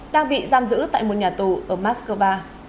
đang bị giam giữ tại một nhà tù ở moscow